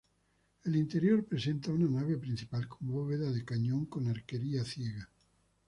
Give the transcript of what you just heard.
El interior presenta una nave principal con bóveda de cañón con arquería ciega.